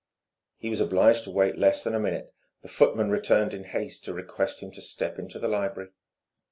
He was obliged to wait less than a minute, the footman returning in haste to request him to step into the library.